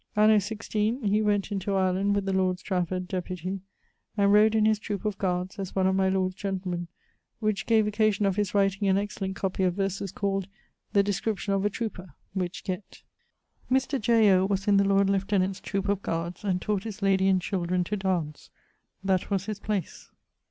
Anno 16 he went into Ireland with the lord Strafford (Deputy) and rode in his troupe of guards, as one of my lord's gentlemen, which gave occasion of his writing an excellent copie of verses called The description of a trouper, which gett. Mr. J. O. was in the Lord Lieutenant's troope of guards, and taught his lady and children to dance; that was his place.